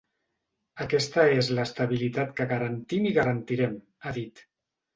Aquesta és l’estabilitat que garantim i garantirem, ha dit.